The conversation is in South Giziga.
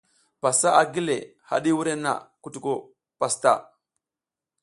Pasa a gi haɗi wurenna, kutuko pasta.